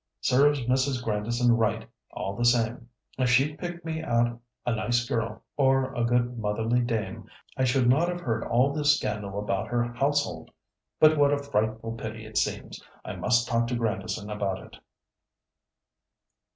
Serves Mrs. Grandison right, all the same. If she'd picked me out a nice girl, or a good motherly dame, I should not have heard all this scandal about her household. But what a frightful pity it seems! I must talk to Grandison about it."